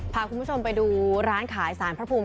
พาคุณผู้ชมไปดูร้านขายสารพระภูมิ